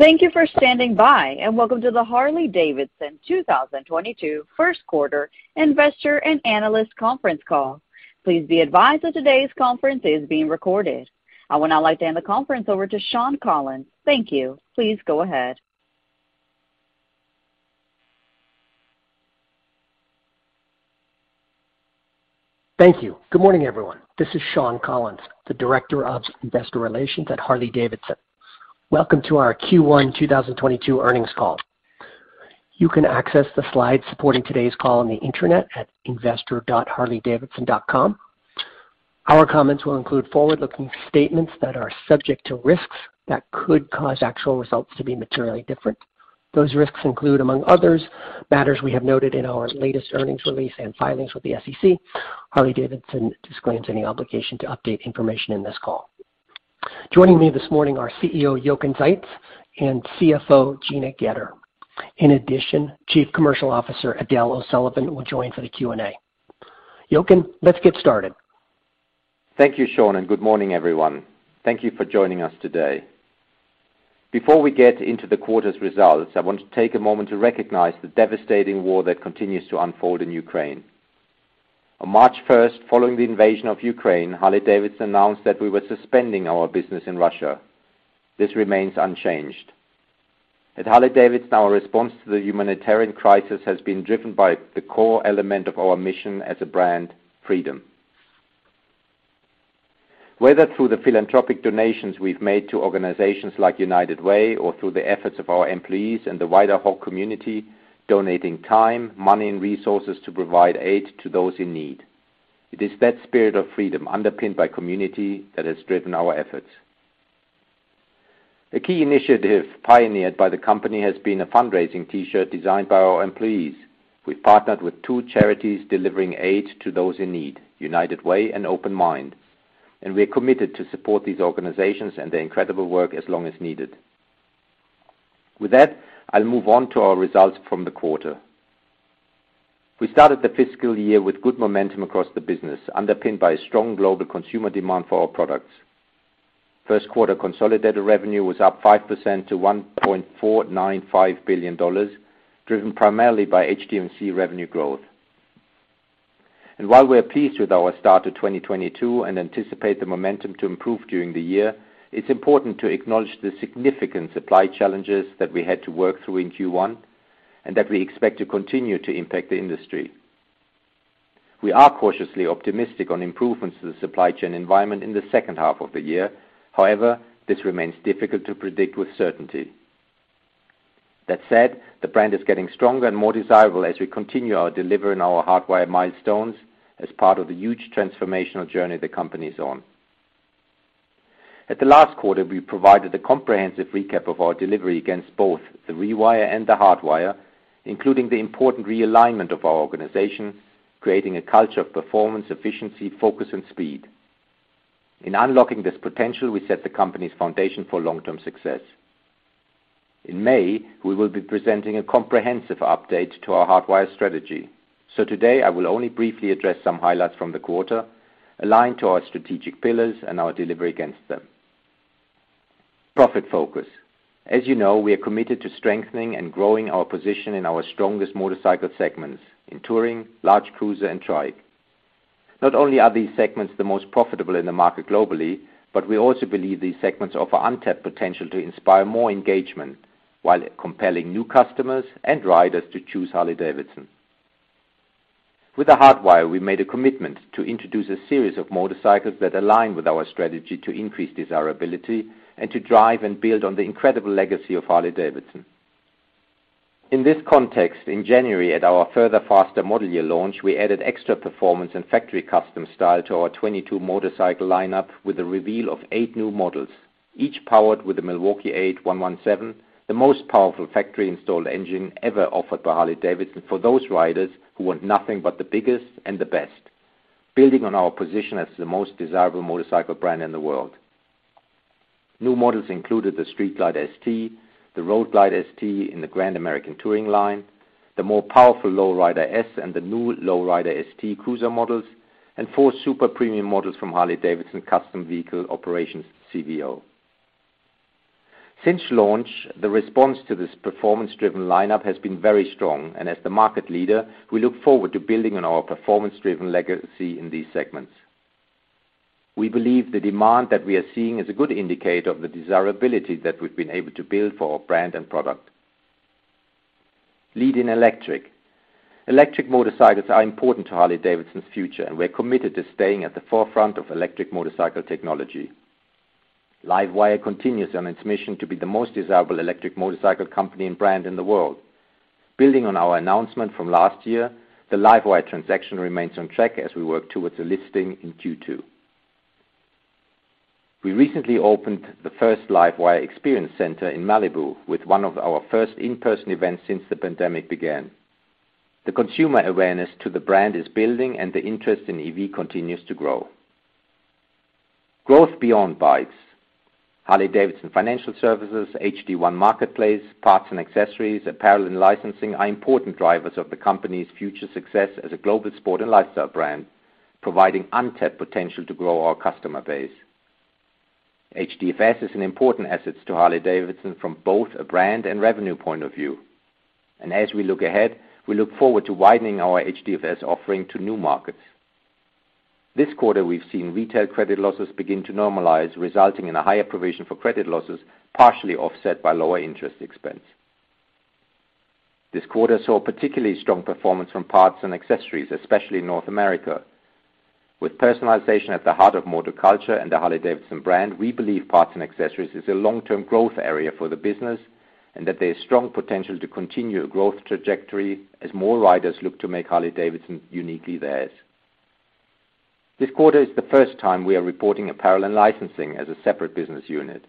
Thank you for standing by, and welcome to the Harley-Davidson 2022 First Quarter Investor and Analyst Conference Call. Please be advised that today's conference is being recorded. I would now like to hand the conference over to Shawn Collins. Thank you. Please go ahead. Thank you. Good morning, everyone. This is Shawn Collins, the Director of Investor Relations at Harley-Davidson. Welcome to our Q1 2022 earnings call. You can access the slides supporting today's call on the internet at investor.harleydavidson.com. Our comments will include forward-looking statements that are subject to risks that could cause actual results to be materially different. Those risks include, among others, matters we have noted in our latest earnings release and filings with the SEC. Harley-Davidson disclaims any obligation to update information in this call. Joining me this morning are CEO Jochen Zeitz and CFO Gina Goetter. In addition, Chief Commercial Officer Edel O'Sullivan will join for the Q&A. Jochen, let's get started. Thank you, Shawn, and good morning, everyone. Thank you for joining us today. Before we get into the quarter's results, I want to take a moment to recognize the devastating war that continues to unfold in Ukraine. On March first, following the invasion of Ukraine, Harley-Davidson announced that we were suspending our business in Russia. This remains unchanged. At Harley-Davidson, our response to the humanitarian crisis has been driven by the core element of our mission as a brand, freedom. Whether through the philanthropic donations we've made to organizations like United Way or through the efforts of our employees and the wider HOG community, donating time, money, and resources to provide aid to those in need, it is that spirit of freedom underpinned by community that has driven our efforts. A key initiative pioneered by the company has been a fundraising T-shirt designed by our employees. We've partnered with two charities delivering aid to those in need, United Way and Open Mind, and we are committed to support these organizations and their incredible work as long as needed. With that, I'll move on to our results from the quarter. We started the fiscal year with good momentum across the business, underpinned by a strong global consumer demand for our products. First quarter consolidated revenue was up 5% to $1.495 billion, driven primarily by HDMC revenue growth. While we're pleased with our start to 2022 and anticipate the momentum to improve during the year, it's important to acknowledge the significant supply challenges that we had to work through in Q1 and that we expect to continue to impact the industry. We are cautiously optimistic on improvements to the supply chain environment in the second half of the year. However, this remains difficult to predict with certainty. That said, the brand is getting stronger and more desirable as we continue our delivering our Hardwire milestones as part of the huge transformational journey the company is on. At the last quarter, we provided a comprehensive recap of our delivery against both the Rewire and the Hardwire, including the important realignment of our organization, creating a culture of performance, efficiency, focus, and speed. In unlocking this potential, we set the company's foundation for long-term success. In May, we will be presenting a comprehensive update to our Hardwire strategy. So today, I will only briefly address some highlights from the quarter aligned to our strategic pillars and our delivery against them. Profit focus. As you know, we are committed to strengthening and growing our position in our strongest motorcycle segments, in touring, large cruiser, and trike. Not only are these segments the most profitable in the market globally, but we also believe these segments offer untapped potential to inspire more engagement while compelling new customers and riders to choose Harley-Davidson. With The Hardwire, we made a commitment to introduce a series of motorcycles that align with our strategy to increase desirability and to drive and build on the incredible legacy of Harley-Davidson. In this context, in January at our Further Faster model year launch, we added extra performance and factory custom style to our 22 motorcycle lineup with the reveal of 8 new models, each powered with a Milwaukee-Eight 117, the most powerful factory-installed engine ever offered by Harley-Davidson for those riders who want nothing but the biggest and the best, building on our position as the most desirable motorcycle brand in the world. New models included the Street Glide ST, the Road Glide ST in the Grand American Touring line, the more powerful Low Rider S and the new Low Rider ST cruiser models, and four super premium models from Harley-Davidson Custom Vehicle Operations, CVO. Since launch, the response to this performance-driven lineup has been very strong, and as the market leader, we look forward to building on our performance-driven legacy in these segments. We believe the demand that we are seeing is a good indicator of the desirability that we've been able to build for our brand and product. Lead in electric. Electric motorcycles are important to Harley-Davidson's future, and we're committed to staying at the forefront of electric motorcycle technology. LiveWire continues on its mission to be the most desirable electric motorcycle company and brand in the world. Building on our announcement from last year, the LiveWire transaction remains on track as we work towards a listing in Q2. We recently opened the first LiveWire Experience Center in Malibu with one of our first in-person events since the pandemic began. The consumer awareness to the brand is building, and the interest in EV continues to grow. Growth beyond bikes. Harley-Davidson Financial Services, H-D1 Marketplace, parts and accessories, apparel and licensing are important drivers of the company's future success as a global sport and lifestyle brand, providing untapped potential to grow our customer base. HDFS is an important asset to Harley-Davidson from both a brand and revenue point of view. As we look ahead, we look forward to widening our HDFS offering to new markets. This quarter, we've seen retail credit losses begin to normalize, resulting in a higher provision for credit losses, partially offset by lower interest expense. This quarter saw particularly strong performance from parts and accessories, especially in North America. With personalization at the heart of motor culture and the Harley-Davidson brand, we believe parts and accessories is a long-term growth area for the business, and that there is strong potential to continue a growth trajectory as more riders look to make Harley-Davidson uniquely theirs. This quarter is the first time we are reporting apparel and licensing as a separate business unit.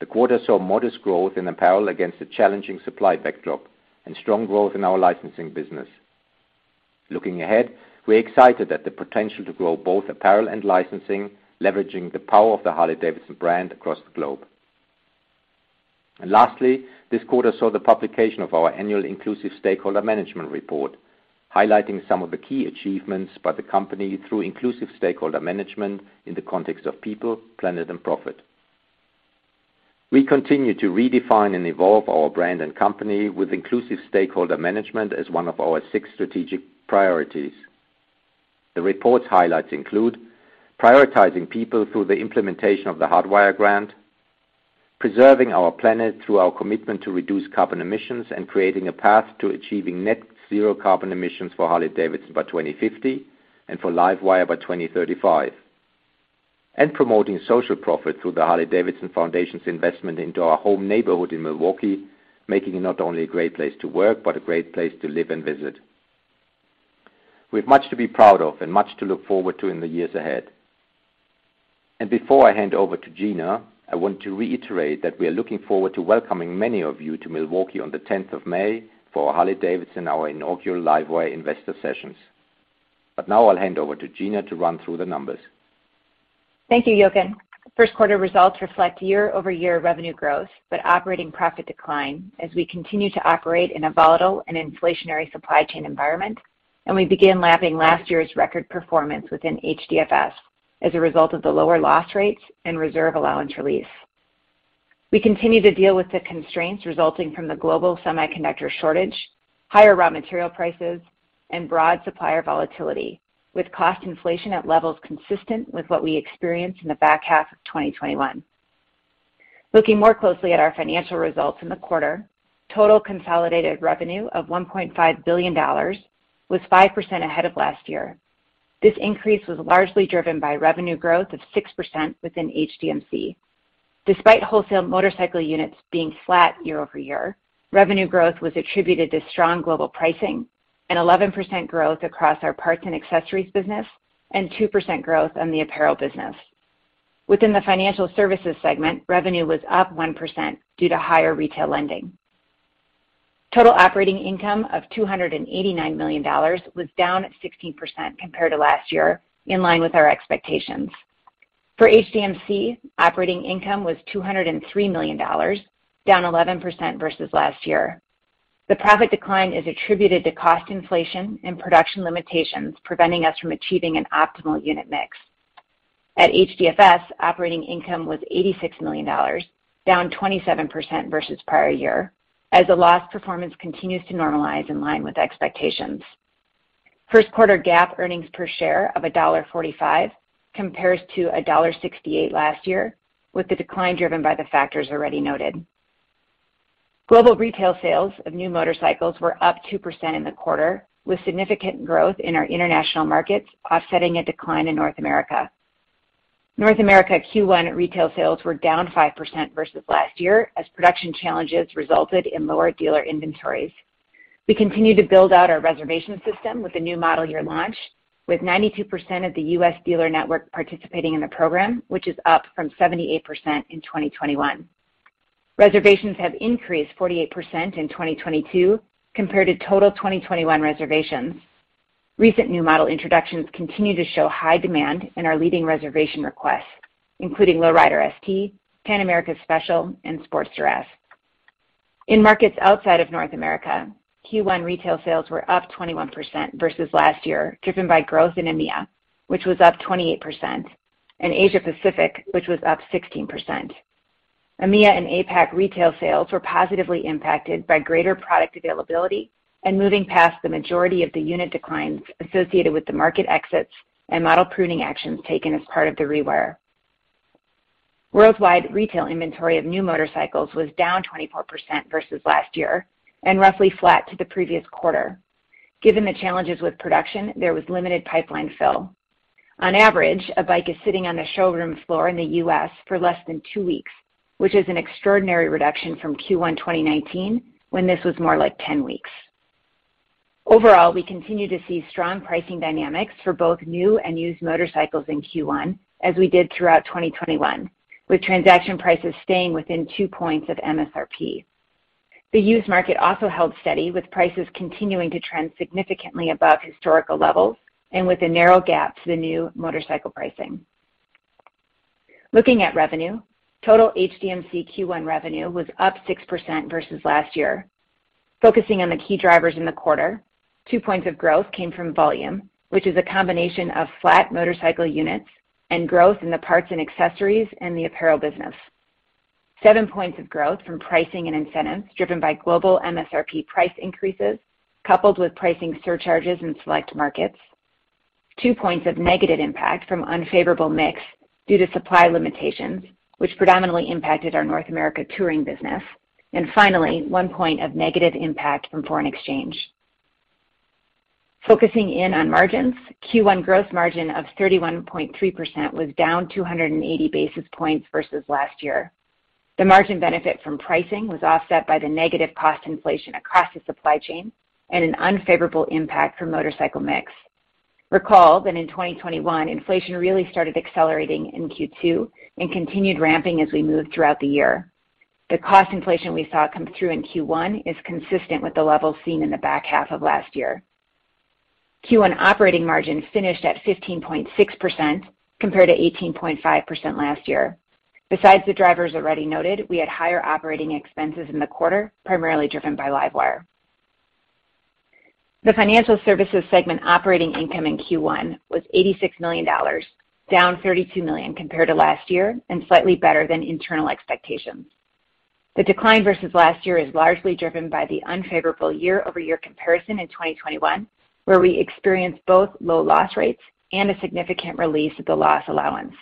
The quarter saw modest growth in apparel against a challenging supply backdrop and strong growth in our licensing business. Looking ahead, we're excited at the potential to grow both apparel and licensing, leveraging the power of the Harley-Davidson brand across the globe. Lastly, this quarter saw the publication of our annual Inclusive Stakeholder Management Report, highlighting some of the key achievements by the company through Inclusive Stakeholder Management in the context of people, planet, and profit. We continue to redefine and evolve our brand and company with Inclusive Stakeholder Management as one of our six strategic priorities. The report's highlights include prioritizing people through the implementation of the Hardwire grant, preserving our planet through our commitment to reduce carbon emissions, and creating a path to achieving net zero carbon emissions for Harley-Davidson by 2050 and for LiveWire by 2035. Promoting social profit through the Harley-Davidson Foundation's investment into our home neighborhood in Milwaukee, making it not only a great place to work, but a great place to live and visit. We have much to be proud of and much to look forward to in the years ahead. Before I hand over to Gina, I want to reiterate that we are looking forward to welcoming many of you to Milwaukee on the tenth of May for Harley-Davidson, our inaugural LiveWire Investor Day. Now I'll hand over to Gina to run through the numbers. Thank you, Jochen. First quarter results reflect year-over-year revenue growth, but operating profit decline as we continue to operate in a volatile and inflationary supply chain environment, and we begin lapping last year's record performance within HDFS as a result of the lower loss rates and reserve allowance release. We continue to deal with the constraints resulting from the global semiconductor shortage, higher raw material prices, and broad supplier volatility, with cost inflation at levels consistent with what we experienced in the back half of 2021. Looking more closely at our financial results in the quarter, total consolidated revenue of $1.5 billion was 5% ahead of last year. This increase was largely driven by revenue growth of 6% within HDMC. Despite wholesale motorcycle units being flat year-over-year, revenue growth was attributed to strong global pricing, an 11% growth across our parts and accessories business, and 2% growth on the apparel business. Within the financial services segment, revenue was up 1% due to higher retail lending. Total operating income of $289 million was down 16% compared to last year, in line with our expectations. For HDMC, operating income was $203 million, down 11% versus last year. The profit decline is attributed to cost inflation and production limitations preventing us from achieving an optimal unit mix. At HDFS, operating income was $86 million, down 27% versus prior year, as the loss performance continues to normalize in line with expectations. First quarter GAAP earnings per share of $1.45 compares to $1.68 last year, with the decline driven by the factors already noted. Global retail sales of new motorcycles were up 2% in the quarter, with significant growth in our international markets offsetting a decline in North America. North America Q1 retail sales were down 5% versus last year as production challenges resulted in lower dealer inventories. We continue to build out our reservation system with the new model year launch, with 92% of the US dealer network participating in the program, which is up from 78% in 2021. Reservations have increased 48% in 2022 compared to total 2021 reservations. Recent new model introductions continue to show high demand in our leading reservation requests, including Low Rider ST, Pan America Special, and Sportster S. In markets outside of North America, Q1 retail sales were up 21% versus last year, driven by growth in EMEA, which was up 28%, and Asia Pacific, which was up 16%. EMEA and APAC retail sales were positively impacted by greater product availability and moving past the majority of the unit declines associated with the market exits and model pruning actions taken as part of the Rewire. Worldwide retail inventory of new motorcycles was down 24% versus last year and roughly flat to the previous quarter. Given the challenges with production, there was limited pipeline fill. On average, a bike is sitting on the showroom floor in the U.S. for less than 2 weeks, which is an extraordinary reduction from Q1 2019, when this was more like 10 weeks. Overall, we continue to see strong pricing dynamics for both new and used motorcycles in Q1, as we did throughout 2021, with transaction prices staying within 2 points of MSRP. The used market also held steady, with prices continuing to trend significantly above historical levels and with a narrow gap to the new motorcycle pricing. Looking at revenue, total HDMC Q1 revenue was up 6% versus last year. Focusing on the key drivers in the quarter, 2 points of growth came from volume, which is a combination of flat motorcycle units and growth in the parts and accessories and the apparel business. 7 points of growth from pricing and incentives driven by global MSRP price increases, coupled with pricing surcharges in select markets. 2 points of negative impact from unfavorable mix due to supply limitations, which predominantly impacted our North America touring business. Finally, one point of negative impact from foreign exchange. Focusing in on margins, Q1 gross margin of 31.3% was down 280 basis points versus last year. The margin benefit from pricing was offset by the negative cost inflation across the supply chain and an unfavorable impact from motorcycle mix. Recall that in 2021, inflation really started accelerating in Q2 and continued ramping as we moved throughout the year. The cost inflation we saw come through in Q1 is consistent with the levels seen in the back half of last year. Q1 operating margin finished at 15.6%, compared to 18.5% last year. Besides the drivers already noted, we had higher operating expenses in the quarter, primarily driven by LiveWire. The financial services segment operating income in Q1 was $86 down 32 million compared to last year and slightly better than internal expectations. The decline versus last year is largely driven by the unfavorable year-over-year comparison in 2021, where we experienced both low loss rates and a significant release of the loss allowance.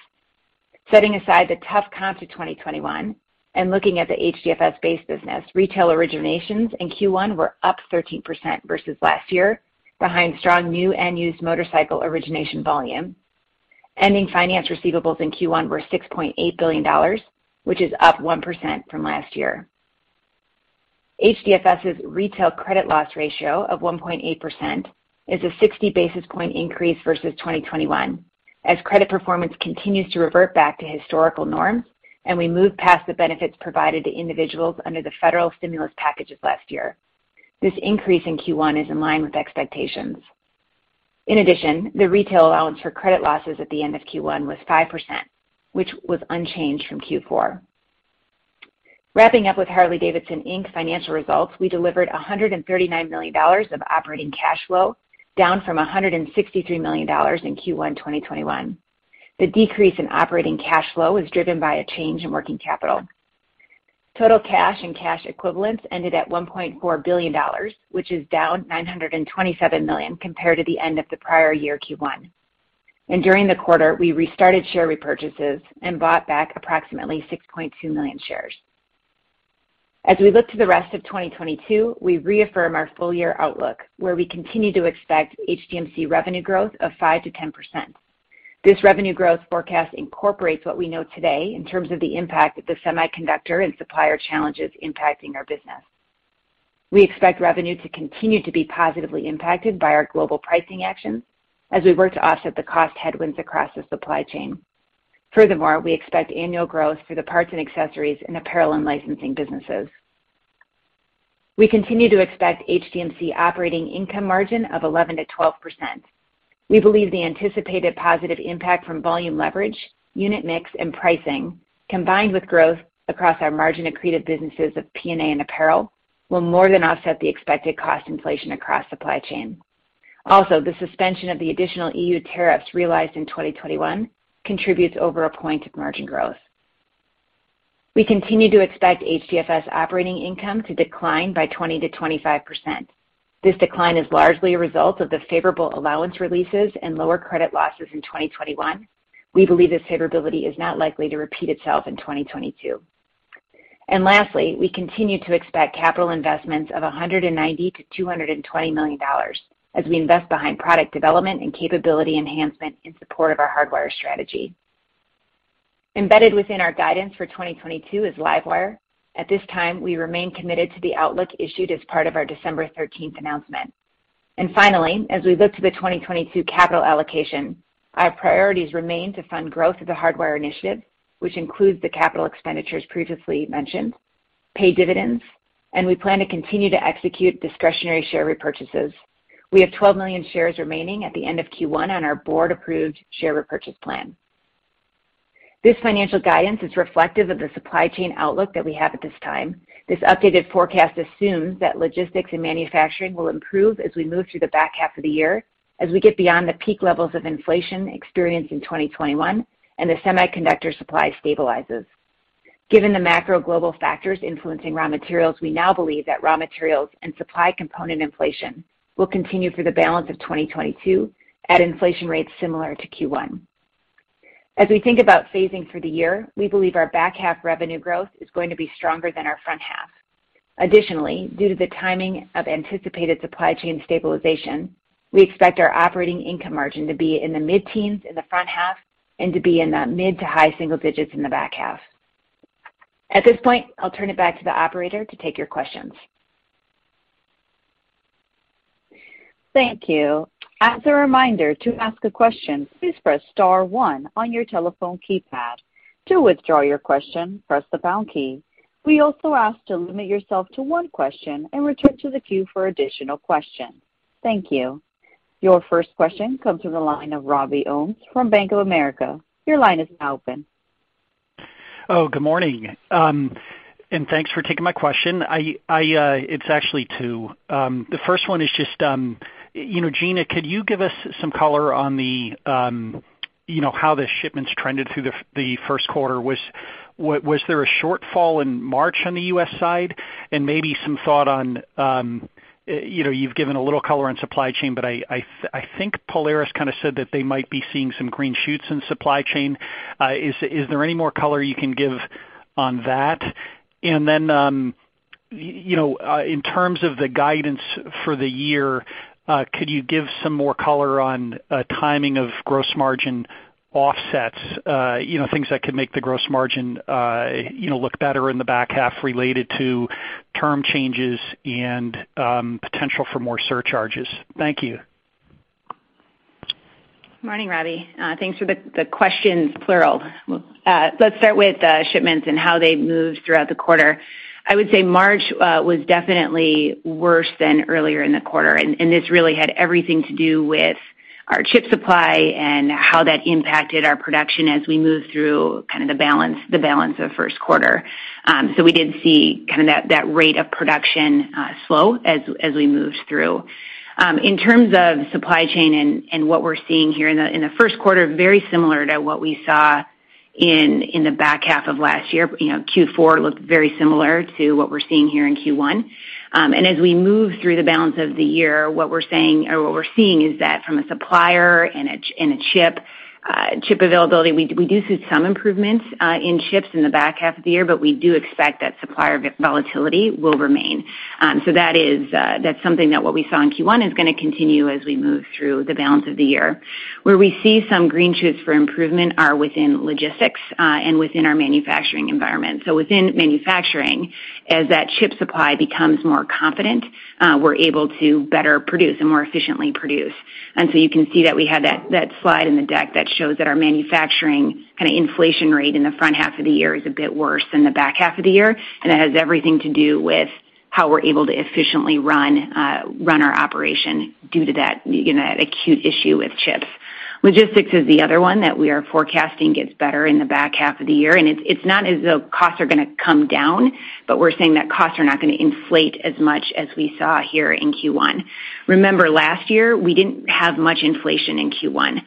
Setting aside the tough comp to 2021 and looking at the HDFS base business, retail originations in Q1 were up 13% versus last year, behind strong new and used motorcycle origination volume. Ending finance receivables in Q1 were $6.8 billion, which is up 1% from last year. HDFS's retail credit loss ratio of 1.8% is a 60 basis point increase versus 2021. As credit performance continues to revert back to historical norms and we move past the benefits provided to individuals under the federal stimulus packages last year, this increase in Q1 is in line with expectations. In addition, the retail allowance for credit losses at the end of Q1 was 5%, which was unchanged from Q4. Wrapping up with Harley-Davidson, Inc. financial results, we delivered $139 million of operating cash flow, down from $163 million in Q1 2021. The decrease in operating cash flow was driven by a change in working capital. Total cash and cash equivalents ended at $1.4 billion, which is down $927 million compared to the end of the prior year Q1. During the quarter, we restarted share repurchases and bought back approximately 6.2 million shares. As we look to the rest of 2022, we reaffirm our full year outlook, where we continue to expect HDMC revenue growth of 5%-10%. This revenue growth forecast incorporates what we know today in terms of the impact that the semiconductor and supplier challenge is impacting our business. We expect revenue to continue to be positively impacted by our global pricing actions as we work to offset the cost headwinds across the supply chain. Furthermore, we expect annual growth for the parts and accessories and apparel and licensing businesses. We continue to expect HDMC operating income margin of 11% to 12%. We believe the anticipated positive impact from volume leverage, unit mix, and pricing, combined with growth across our margin accretive businesses of P&A and apparel, will more than offset the expected cost inflation across supply chain. Also, the suspension of the additional EU tariffs realized in 2021 contributes over a point of margin growth. We continue to expect HDFS operating income to decline by 20%-25%. This decline is largely a result of the favorable allowance releases and lower credit losses in 2021. We believe this favorability is not likely to repeat itself in 2022. Lastly, we continue to expect capital investments of $190 million-$220 million as we invest behind product development and capability enhancement in support of our Hardwire strategy. Embedded within our guidance for 2022 is LiveWire. At this time, we remain committed to the outlook issued as part of our December 13 announcement. Finally, as we look to the 2022 capital allocation, our priorities remain to fund growth of the Hardwire initiative, which includes the capital expenditures previously mentioned, pay dividends, and we plan to continue to execute discretionary share repurchases. We have 12 million shares remaining at the end of Q1 on our board-approved share repurchase plan. This financial guidance is reflective of the supply chain outlook that we have at this time. This updated forecast assumes that logistics and manufacturing will improve as we move through the back half of the year, as we get beyond the peak levels of inflation experienced in 2021 and the semiconductor supply stabilizes. Given the macro global factors influencing raw materials, we now believe that raw materials and supply component inflation will continue through the balance of 2022 at inflation rates similar to Q1. As we think about phasing through the year, we believe our back half revenue growth is going to be stronger than our front half. Additionally, due to the timing of anticipated supply chain stabilization, we expect our operating income margin to be in the mid-teens% in the front half and to be in the mid- to high-single-digits% in the back half. At this point, I'll turn it back to the operator to take your questions. Thank you. As a reminder, to ask a question, please press star one on your telephone keypad. To withdraw your question, press the pound key. We also ask to limit yourself to one question and return to the queue for additional questions. Thank you. Your first question comes from the line of Robby Ohmes from Bank of America. Your line is now open. Good morning. And thanks for taking my question. It's actually two. The first one is just, you know, Gina, could you give us some color on the, you know, how the shipments trended through the first quarter? Was there a shortfall in March on the U.S. side? And maybe some thought on, you know, you've given a little color on supply chain, but I think Polaris kind of said that they might be seeing some green shoots in supply chain. Is there any more color you can give on that? And then, you know, in terms of the guidance for the year, could you give some more color on timing of gross margin offsets? You know, things that could make the gross margin, you know, look better in the back half related to term changes and potential for more surcharges. Thank you. Morning, Robby Ohmes. Thanks for the questions, plural. Let's start with shipments and how they've moved throughout the quarter. I would say March was definitely worse than earlier in the quarter, and this really had everything to do with our chip supply and how that impacted our production as we moved through kind of the balance of first quarter. We did see kind of that rate of production slow as we moved through. In terms of supply chain and what we're seeing here in the first quarter, very similar to what we saw in the back half of last year. You know, Q4 looked very similar to what we're seeing here in Q1. As we move through the balance of the year, what we're saying or what we're seeing is that from a supplier and chip availability, we do see some improvements in chips in the back half of the year, but we do expect that supplier volatility will remain. That's something that what we saw in Q1 is gonna continue as we move through the balance of the year. Where we see some green shoots for improvement are within logistics and within our manufacturing environment. Within manufacturing, as that chip supply becomes more confident, we're able to better produce and more efficiently produce. You can see that we had that slide in the deck that shows that our manufacturing kind of inflation rate in the front half of the year is a bit worse than the back half of the year. That has everything to do with how we're able to efficiently run our operation due to that, you know, that acute issue with chips. Logistics is the other one that we are forecasting gets better in the back half of the year. It's not as though costs are gonna come down, but we're saying that costs are not gonna inflate as much as we saw here in Q1. Remember, last year, we didn't have much inflation in Q1.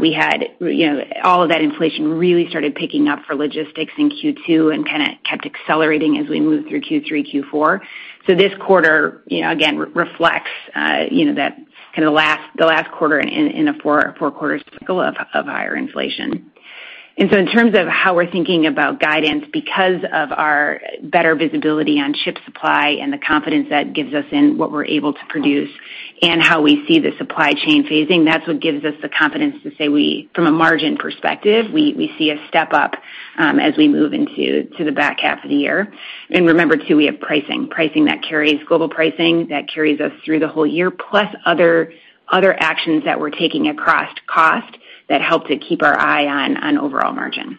We had, you know, all of that inflation really started picking up for logistics in Q2 and kind of kept accelerating as we moved through Q3, Q4. This quarter, you know, again reflects, you know, the last quarter in a four-quarter cycle of higher inflation. In terms of how we're thinking about guidance, because of our better visibility on chip supply and the confidence that gives us in what we're able to produce and how we see the supply chain phasing, that's what gives us the confidence to say we, from a margin perspective, see a step up as we move into the back half of the year. Remember too, we have pricing that carries global pricing that carries us through the whole year, plus other actions that we're taking across cost that help to keep our eye on overall margin.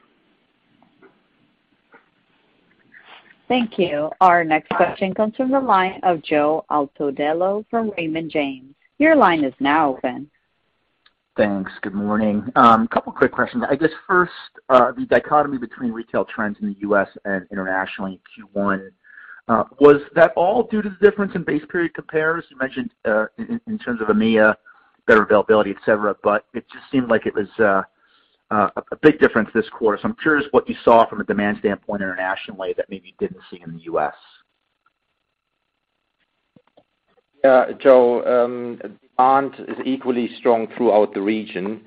Thank you. Our next question comes from the line of Joseph Altobello from Raymond James. Your line is now open. Thanks. Good morning. Couple quick questions. I guess first, the dichotomy between retail trends in the U.S. and internationally in Q1, was that all due to the difference in base period compares? You mentioned, in terms of EMEA, better availability, et cetera, et cetera, but it just seemed like it was a big difference this quarter. I'm curious what you saw from a demand standpoint internationally that maybe you didn't see in the U.S. Yeah, Joe, demand is equally strong throughout the region.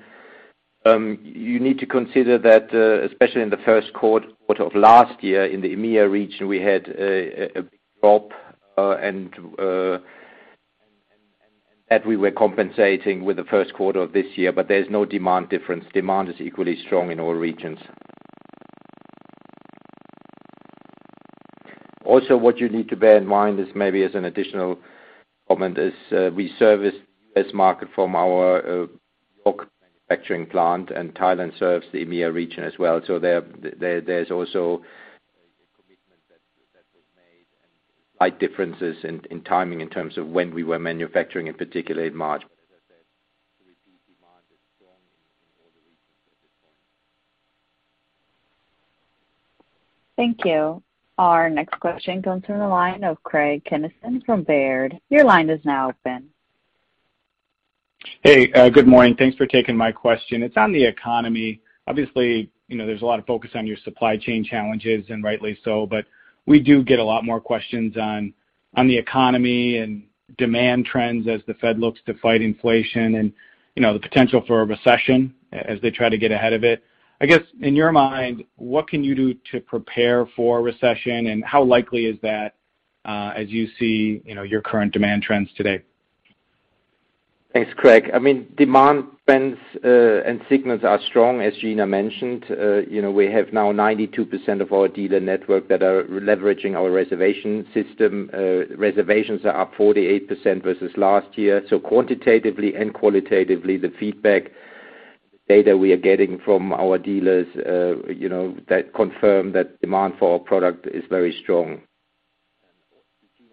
You need to consider that, especially in the first quarter of last year in the EMEA region, we had a drop, and that we were compensating with the first quarter of this year, but there's no demand difference. Demand is equally strong in all regions. Also, what you need to bear in mind is maybe as an additional comment is, we service this market from our York manufacturing plant, and Thailand serves the EMEA region as well. There's also a commitment that was made and slight differences in timing in terms of when we were manufacturing, in particular in March. As I said, to repeat, demand is strong in all the regions at this point. Thank you. Our next question comes from the line of Craig Kennison from Baird. Your line is now open. Hey, good morning. Thanks for taking my question. It's on the economy. Obviously, you know, there's a lot of focus on your supply chain challenges, and rightly so. We do get a lot more questions on the economy and demand trends as the Fed looks to fight inflation and, you know, the potential for a recession as they try to get ahead of it. I guess, in your mind, what can you do to prepare for a recession, and how likely is that, as you see, you know, your current demand trends today? Thanks, Craig. I mean, demand trends and signals are strong, as Gina mentioned. You know, we have now 92% of our dealer network that are leveraging our reservation system. Reservations are up 48% versus last year. Quantitatively and qualitatively, the feedback data we are getting from our dealers, you know, that confirm that demand for our product is very strong.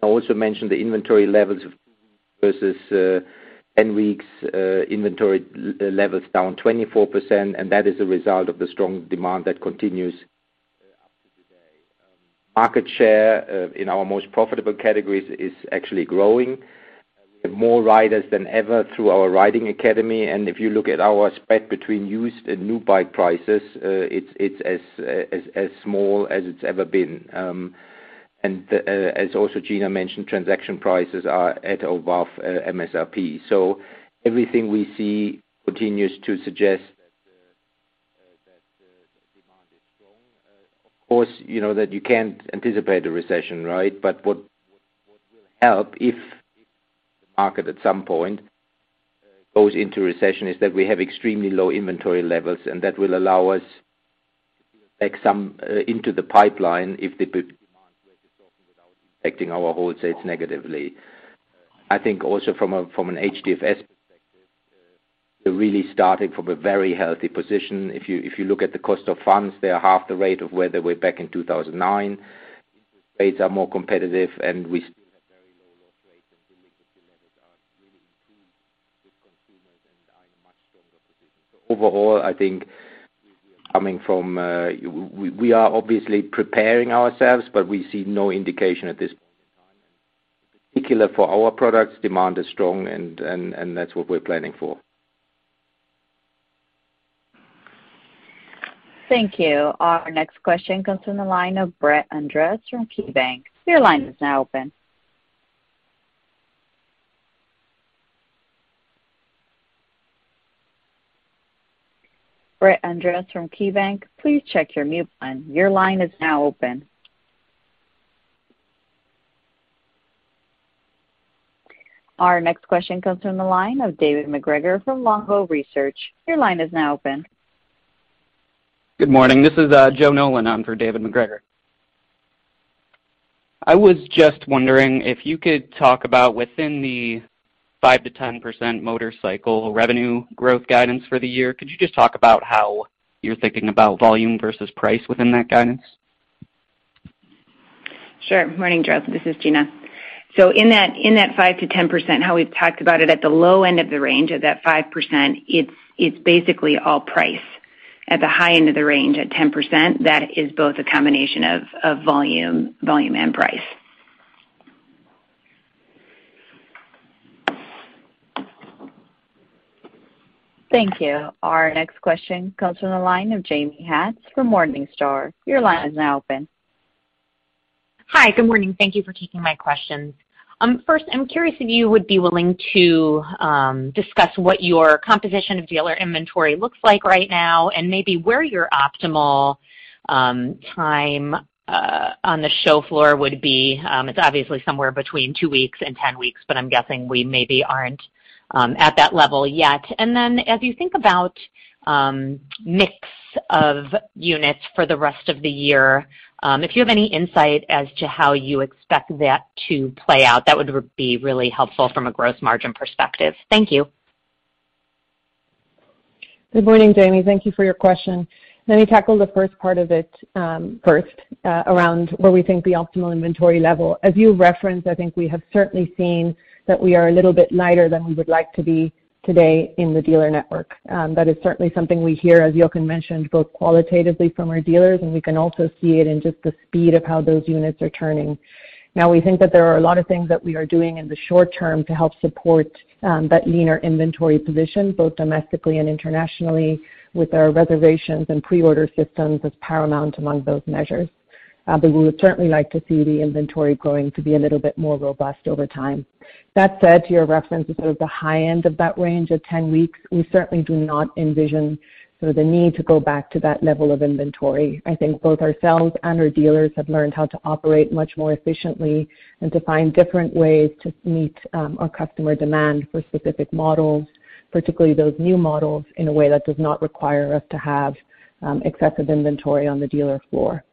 I also mentioned the inventory levels versus 10 weeks inventory levels down 24%, and that is a result of the strong demand that continues up to today. Market share in our most profitable categories is actually growing. We have more riders than ever through our Riding Academy. If you look at our spread between used and new bike prices, it's as small as it's ever been. As Gina also mentioned, transaction prices are above MSRP. Everything we see continues to suggest that demand is strong. Of course, you know that you can't anticipate a recession, right? What will help if the market at some point goes into recession is that we have extremely low inventory levels, and that will allow us to take some into the pipeline if the demand were to soften without impacting our wholesales negatively. I think also from an HDFS perspective, we're really starting from a very healthy position. If you look at the cost of funds, they are half the rate of where they were back in 2009. Interest rates are more competitive, and we still have very low loss rates and delinquency levels are really improved with consumers and are in a much stronger position. Overall, I think we are obviously preparing ourselves, but we see no indication at this point in time. In particular for our products, demand is strong and that's what we're planning for. Thank you. Our next question comes from the line of Brett Andress from KeyBanc. Your line is now open. Brett Andress from KeyBanc, please check your mute button. Your line is now open. Our next question comes from the line of David MacGregor from Longbow Research. Your line is now open. Good morning. This is Joe Nolan on for David MacGregor. I was just wondering if you could talk about within the 5%-10% motorcycle revenue growth guidance for the year, could you just talk about how you're thinking about volume versus price within that guidance? Sure. Morning, Joe. This is Gina. In that 5%-10%, how we've talked about it at the low end of the range of that 5%, it's basically all price. At the high end of the range, at 10%, that is both a combination of volume and price. Thank you. Our next question comes from the line of Jaime Katz from Morningstar. Your line is now open. Hi, good morning. Thank you for taking my questions. First, I'm curious if you would be willing to discuss what your composition of dealer inventory looks like right now and maybe where your optimal time on the show floor would be. It's obviously somewhere between 2 weeks and 10 weeks, but I'm guessing we maybe aren't at that level yet. As you think about mix of units for the rest of the year, if you have any insight as to how you expect that to play out, that would be really helpful from a gross margin perspective. Thank you. Good morning, Jaime. Thank you for your question. Let me tackle the first part of it first around where we think the optimal inventory level. As you referenced, I think we have certainly seen that we are a little bit lighter than we would like to be today in the dealer network. That is certainly something we hear, as Jochen mentioned, both qualitatively from our dealers, and we can also see it in just the speed of how those units are turning. Now, we think that there are a lot of things that we are doing in the short term to help support that leaner inventory position, both domestically and internationally, with our reservations and pre-order systems as paramount among those measures. We would certainly like to see the inventory growing to be a little bit more robust over time. That said, to your reference to sort of the high end of that range of 10 weeks, we certainly do not envision sort of the need to go back to that level of inventory. I think both ourselves and our dealers have learned how to operate much more efficiently and to find different ways to meet our customer demand for specific models, particularly those new models, in a way that does not require us to have excessive inventory on the dealer floor.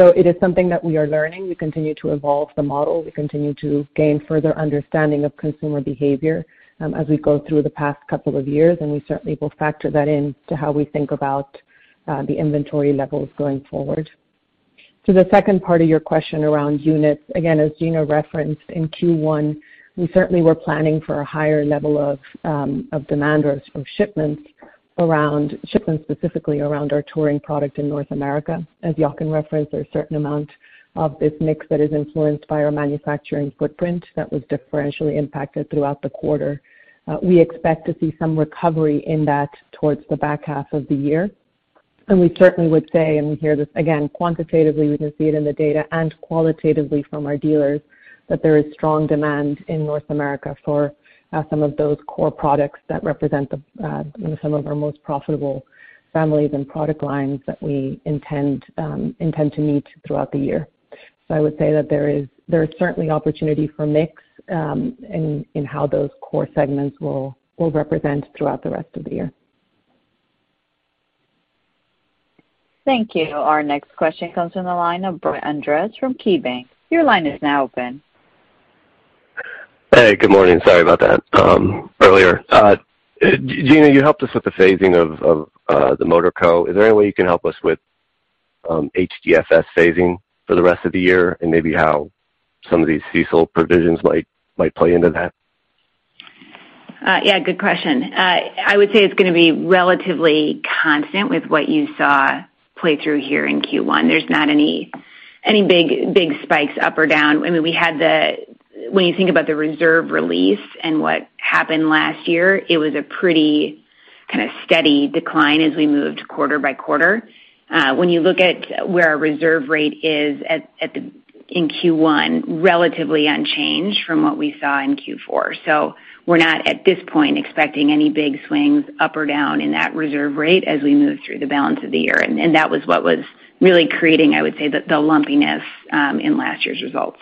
It is something that we are learning. We continue to evolve the model. We continue to gain further understanding of consumer behavior as we go through the past couple of years, and we certainly will factor that in to how we think about the inventory levels going forward. To the second part of your question around units, again, as Gina referenced in Q1, we certainly were planning for a higher level of demand or shipments specifically around our touring product in North America. As Jochen referenced, there's a certain amount of this mix that is influenced by our manufacturing footprint that was differentially impacted throughout the quarter. We expect to see some recovery in that towards the back half of the year. We certainly would say and hear this, again, quantitatively, we can see it in the data and qualitatively from our dealers, that there is strong demand in North America for some of those core products that represent some of our most profitable families and product lines that we intend to meet throughout the year. I would say that there is certainly opportunity for mix in how those core segments will represent throughout the rest of the year. Thank you. Our next question comes from the line of Brett Andress from KeyBanc. Your line is now open. Hey, good morning. Sorry about that earlier. Gina, you helped us with the phasing of the Motor Co. Is there any way you can help us with HDFS phasing for the rest of the year and maybe how some of these CECL provisions might play into that? Yeah, good question. I would say it's gonna be relatively constant with what you saw play through here in Q1. There's not any big spikes up or down. I mean, when you think about the reserve release and what happened last year, it was a pretty kinda steady decline as we moved quarter by quarter. When you look at where our reserve rate is at in Q1, relatively unchanged from what we saw in Q4. So we're not, at this point, expecting any big swings up or down in that reserve rate as we move through the balance of the year. That was what was really creating, I would say, the lumpiness in last year's results.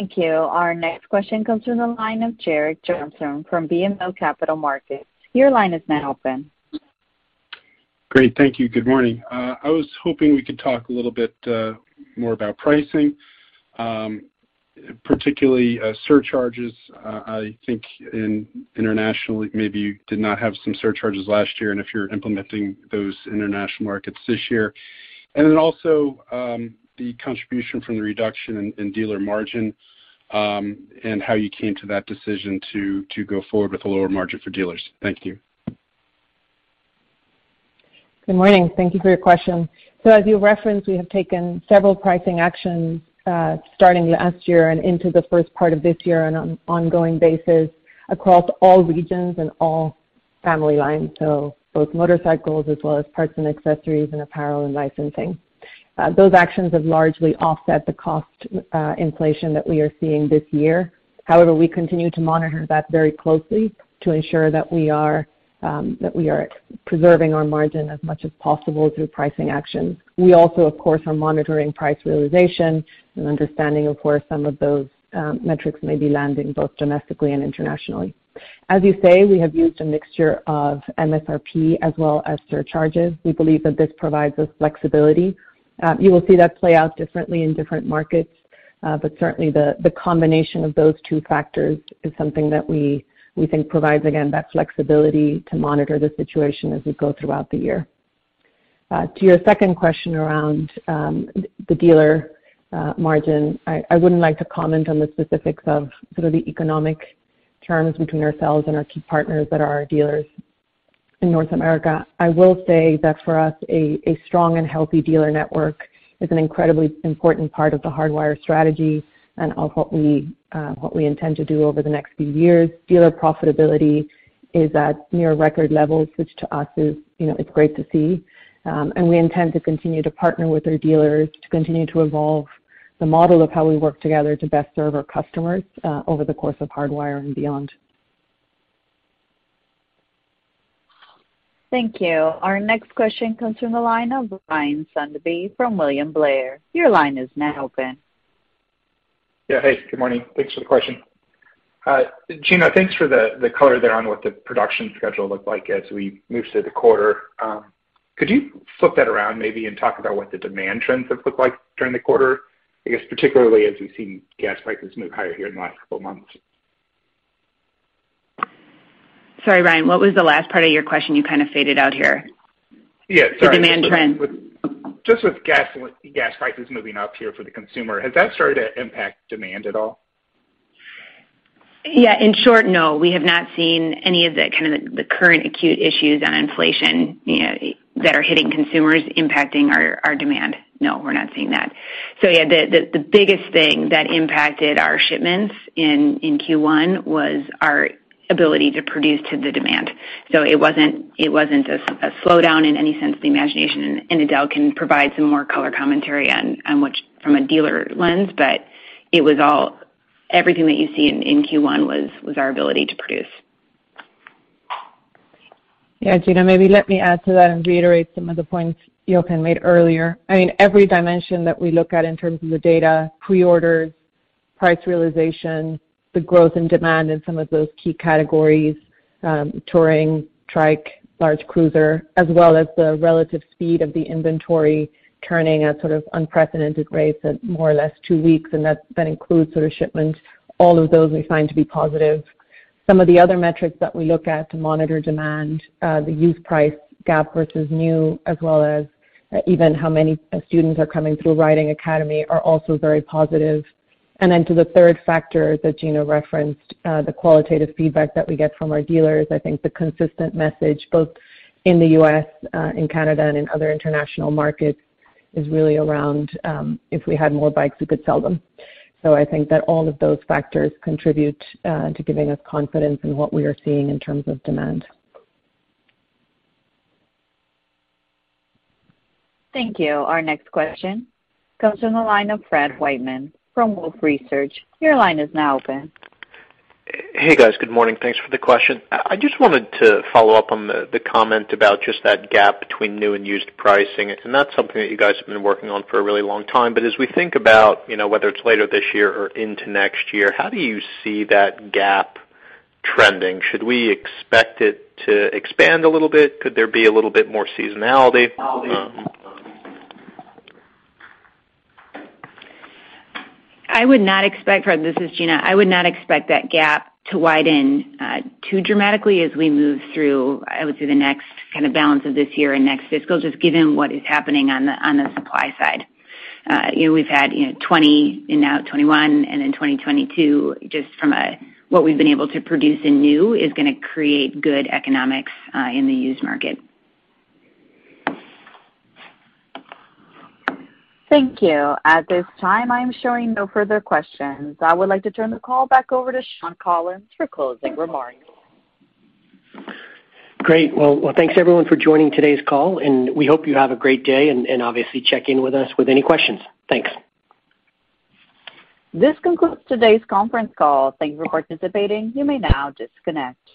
Thank you. Our next question comes from the line of Gerrick Johnson from BMO Capital Markets. Your line is now open. Great. Thank you. Good morning. I was hoping we could talk a little bit more about pricing, particularly surcharges. I think in international, maybe you did not have some surcharges last year, and if you're implementing those in international markets this year. Also, the contribution from the reduction in dealer margin, and how you came to that decision to go forward with a lower margin for dealers. Thank you. Good morning. Thank you for your question. As you referenced, we have taken several pricing actions, starting last year and into the first part of this year on an ongoing basis across all regions and all family lines, so both motorcycles as well as parts and accessories and apparel and licensing. Those actions have largely offset the cost inflation that we are seeing this year. However, we continue to monitor that very closely to ensure that we are preserving our margin as much as possible through pricing actions. We also, of course, are monitoring price realization and understanding of where some of those metrics may be landing both domestically and internationally. As you say, we have used a mixture of MSRP as well as surcharges. We believe that this provides us flexibility. You will see that play out differently in different markets, but certainly the combination of those two factors is something that we think provides, again, that flexibility to monitor the situation as we go throughout the year. To your second question around the dealer margin, I wouldn't like to comment on the specifics of sort of the economic terms between ourselves and our key partners that are our dealers in North America. I will say that for us, a strong and healthy dealer network is an incredibly important part of the Hardwire strategy and of what we intend to do over the next few years. Dealer profitability is at near record levels, which to us is, you know, it's great to see. We intend to continue to partner with our dealers to continue to evolve the model of how we work together to best serve our customers over the course of Hardwire and beyond. Thank you. Our next question comes from the line of Ryan Sundby from William Blair. Your line is now open. Yeah. Hey, good morning. Thanks for the question. Gina, thanks for the color there on what the production schedule looked like as we move through the quarter. Could you flip that around maybe and talk about what the demand trends have looked like during the quarter? I guess particularly as we've seen gas prices move higher here in the last couple months? Sorry, Ryan, what was the last part of your question? You kind of faded out here. Yeah, sorry. The demand trend. Just with gas prices moving up here for the consumer, has that started to impact demand at all? Yeah. In short, no. We have not seen any of the kinda the current acute issues on inflation, you know, that are hitting consumers impacting our demand. No, we're not seeing that. Yeah, the biggest thing that impacted our shipments in Q1 was our ability to produce to the demand. It wasn't a slowdown in any sense of the imagination. Edel can provide some more color commentary on which from a dealer lens, but it was all everything that you see in Q1 was our ability to produce. Yeah. Gina, maybe let me add to that and reiterate some of the points Jochen made earlier. I mean, every dimension that we look at in terms of the data, pre-orders, price realization, the growth and demand in some of those key categories, touring, trike, large cruiser, as well as the relative speed of the inventory turning at sort of unprecedented rates at more or less 2 weeks, and that includes sort of shipments, all of those we find to be positive. Some of the other metrics that we look at to monitor demand, the used price gap versus new, as well as even how many students are coming through Riding Academy are also very positive. To the third factor that Gina referenced, the qualitative feedback that we get from our dealers, I think the consistent message both in the U.S., in Canada and in other international markets is really around, if we had more bikes, we could sell them. I think that all of those factors contribute to giving us confidence in what we are seeing in terms of demand. Thank you. Our next question comes from the line of Fred Wightman from Wolfe Research. Your line is now open. Hey, guys. Good morning. Thanks for the question. I just wanted to follow up on the comment about just that gap between new and used pricing. That's something that you guys have been working on for a really long time. As we think about, you know, whether it's later this year or into next year, how do you see that gap trending? Should we expect it to expand a little bit? Could there be a little bit more seasonality? I would not expect, Fred, this is Gina. I would not expect that gap to widen too dramatically as we move through, I would say, the next kinda balance of this year and next fiscal, just given what is happening on the supply side. You know, we've had, you know, 2020 and now 2021 and in 2022, just from what we've been able to produce in new is gonna create good economics in the used market. Thank you. At this time, I'm showing no further questions. I would like to turn the call back over to Shawn Collins for closing remarks. Great. Well, thanks everyone for joining today's call, and we hope you have a great day and obviously check in with us with any questions. Thanks. This concludes today's conference call. Thank you for participating. You may now disconnect.